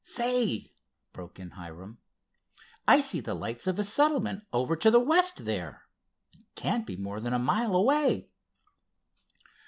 "Say," broke in Hiram, "I see the lights of a settlement over to the west there. It can't be more than a mile away."